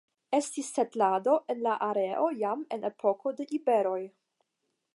Estis setlado en la areo jam en epoko de iberoj.